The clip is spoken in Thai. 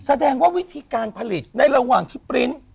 แสดงว่าวิธีการผลิตในระหว่างที่ปริ้นต์